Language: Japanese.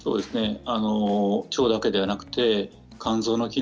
腸だけではなく肝臓の機能